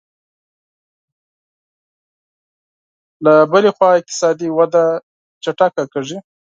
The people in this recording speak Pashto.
له بلې خوا اقتصادي وده چټکه کېږي